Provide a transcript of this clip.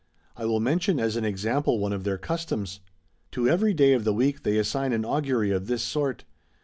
I will mention as an example one of their customs. To every day of the week they assign an augury of this sort.